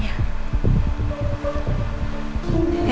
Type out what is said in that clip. yaudah ya sayang ya